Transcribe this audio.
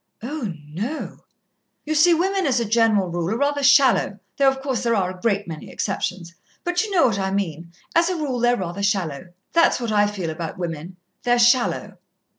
"Oh, no." "You see, women, as a general rule, are rather shallow, though, of course, there are a great many exceptions. But you know what I mean as a rule they're rather shallow. That's what I feel about women, they're shallow."